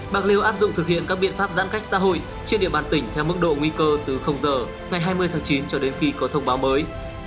bạc liêu áp dụng thực hiện các biện pháp giãn cách xã hội trên địa bàn tỉnh theo mức độ nguy cơ từ giờ ngày hai mươi tháng chín cho đến khi có thông báo mới